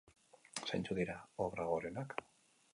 Zeintzuk haren obra gorenak?